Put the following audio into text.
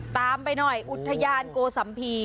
ตามไปหน่อยอุทยานโกสัมพี